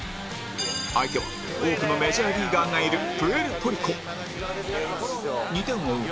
相手は多くのメジャーリーガーがいる２点を追う